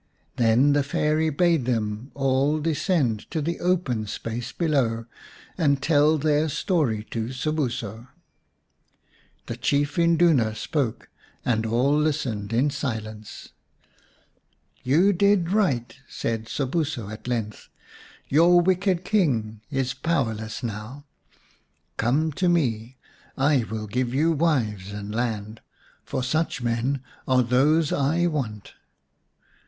Then the Fairy bade them all descend to the open space below, and tell their story to Sobuso. The chief Induna spoke, and all listened in silence. " You did right," said Sobuso at length. "Your wicked King is powerless now. Come to me ; I will give you wives and lands, for such men are those I want."